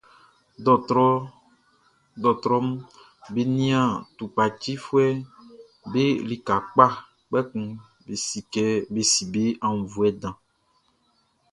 Dɔɔtrɔʼm be nian tukpacifuɛʼm be lika kpa, kpɛkun be si be aunnvuɛ dan.